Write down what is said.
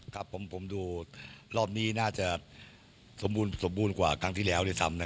ครับผมดูรอบนี้น่าจะสมบูรณ์กว่าครั้งที่แล้วด้วยซ้ำ